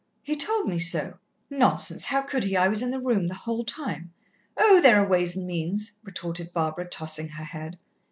"He told me so." "Nonsense! How could he? I was in the room the whole time." "Oh, there are ways and means," retorted Barbara, tossing her head.